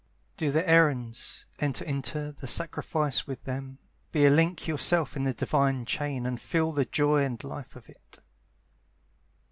"Do their errands; enter into the sacrifice with them; be a link yourself in the divine chain, and feel the joy and life of it."